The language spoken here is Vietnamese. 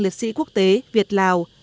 liệt sĩ quốc tế việt lào